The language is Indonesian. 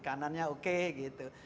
kanannya oke gitu